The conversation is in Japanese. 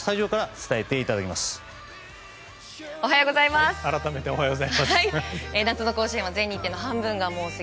おはようございます。